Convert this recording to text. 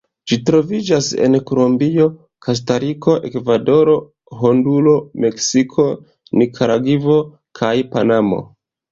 Ĝi troviĝas en Kolombio, Kostariko, Ekvadoro, Honduro, Meksiko, Nikaragvo kaj Panamo.